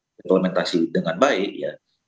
kalau kita komentasi dengan baik ya